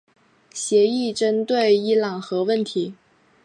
协议针对伊朗核问题。